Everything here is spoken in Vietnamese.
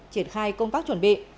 triển khai công tác chuẩn bị